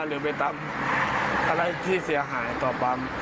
หรือไปทำอะไรที่เสียหายต่อปั๊ม